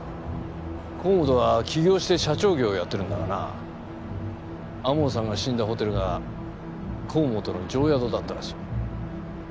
河本は起業して社長業をやっているんだがな天羽さんが死んだホテルが河本の定宿だったらしい。